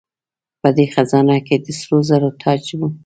په دې خزانه کې د سرو زرو تاج و